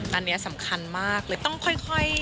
อันนี้สำคัญมากเลยต้องค่อย